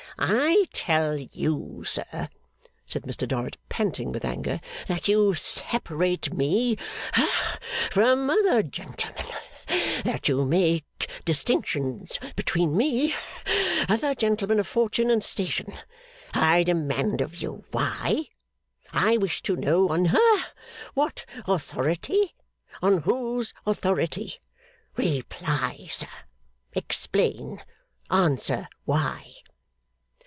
'I tell you, sir,' said Mr Dorrit, panting with anger, 'that you separate me ha from other gentlemen; that you make distinctions between me and other gentlemen of fortune and station. I demand of you, why? I wish to know on ha what authority, on whose authority. Reply sir. Explain. Answer why.